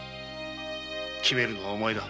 決めるのはお前だ。